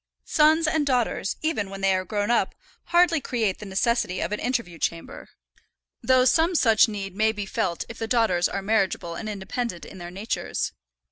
Sons and daughters, even when they are grown up, hardly create the necessity of an interview chamber, though some such need may be felt if the daughters are marriageable and independent in their natures.